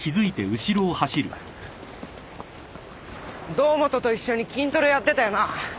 堂本と一緒に筋トレやってたよな。